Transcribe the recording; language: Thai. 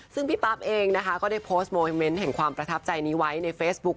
ซึ่งพี่ปั๊บเองนะคะก็ได้โพสต์โมเมนต์แห่งความประทับใจนี้ไว้ในเฟซบุ๊ค